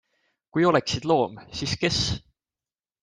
Kui oleksid loom, siis kes?